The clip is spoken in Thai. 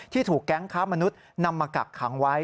ถูกแก๊งค้ามนุษย์นำมากักขังไว้